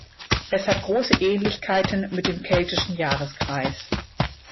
Es hat große Ähnlichkeiten mit dem keltischen Jahreskreis.